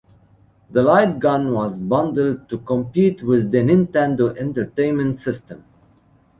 The light gun was bundled to compete with the Nintendo Entertainment System.